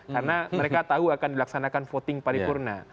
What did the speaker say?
karena mereka tahu akan dilaksanakan voting paripurna